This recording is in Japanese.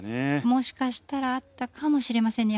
もしかしたらあったかもしれませんね。